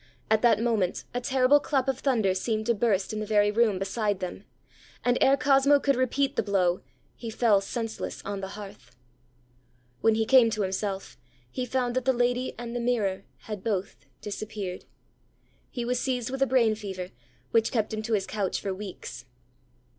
At that moment, a terrible clap of thunder seemed to burst in the very room beside them; and ere Cosmo could repeat the blow, he fell senseless on the hearth. When he came to himself, he found that the lady and the mirror had both disappeared. He was seized with a brain fever, which kept him to his couch for weeks.